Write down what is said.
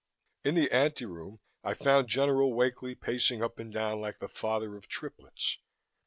In the anteroom, I found General Wakely pacing up and down like the father of triplets.